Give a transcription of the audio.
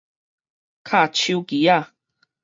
敲手機仔